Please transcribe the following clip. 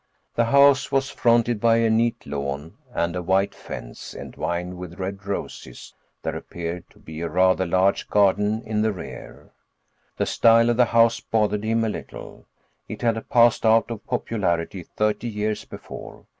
The house was fronted by a neat lawn and a white fence entwined with red roses; there appeared to be a rather large garden in the rear. The style of the house bothered him a little: it had passed out of popularity thirty years before.